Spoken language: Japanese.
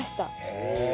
へえ。